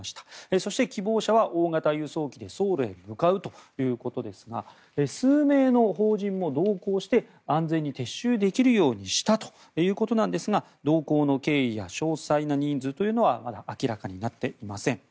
そして、希望者は大型輸送機でソウルへ向かうということですが数名の邦人も同行して安全に撤収できるようにしたということですが同行の経緯や詳細な人数というのはまだ明らかになっていません。